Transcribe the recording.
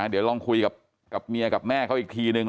เดี๋ยวลองคุยกับเมียกับแม่เขาอีกทีนึง